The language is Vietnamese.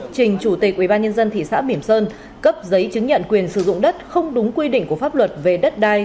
trình chủ tịch ubnd thị xã bỉm sơn cấp giấy chứng nhận quyền sử dụng đất không đúng quy định của pháp luật về đất đai